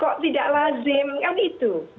kok tidak lazim kan itu